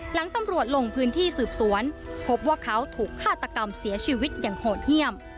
หลังตำรวจลงพื้นที่สืบสวนพบว่าเขาถูกฆาตกรรมเสียชีวิตอย่างโหดเยี่ยม